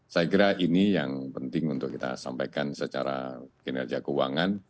saya kira ini yang penting untuk kita sampaikan secara kinerja keuangan